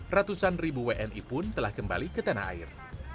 ratusan ribu wni pun telah kembali ke tanah air